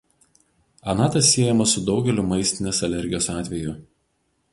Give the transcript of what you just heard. Anatas siejamas su daugeliu maistinės alergijos atvejų.